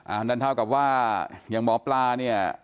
อันนั้นเท่ากับว่าอย่างหมอปลาเนี่ย